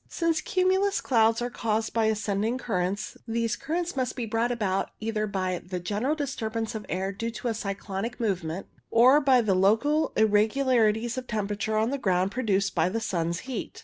Since cumulus clouds are caused by ascending currents, these currents must be brought about either by the general disturbance of the air due to a cyclonic movement, or by the local irregularities of tempera ture on the ground produced by the sun's heat.